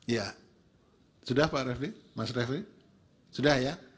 ya sudah pak refli mas refli sudah ya